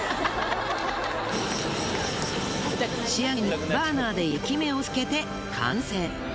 仕上げにバーナーで焼き目をつけて完成。